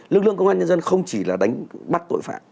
lực lượng công an nhân dân không chỉ là đánh bắt tội phạm